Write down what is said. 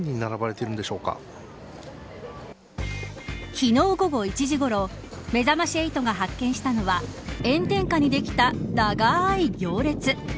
昨日午後１時ごろめざまし８が発見したのは炎天下にできた長い行列。